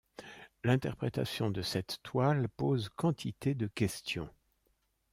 L'interprétation de cette toile pose quantité de questions.